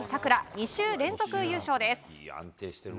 ２週連続優勝です。